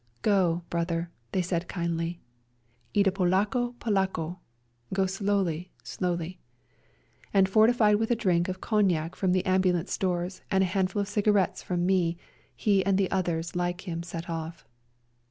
" Go, brother," they said kindly, " Idi polako, polako " ("Go slowly, slowly"), and fortified with a drink of cognac from the ambulance 28 A SERBIAN AMBULANCE stores, and a handful of cigarettes from me, he and the others like him set off.